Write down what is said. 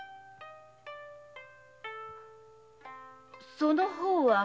その方は。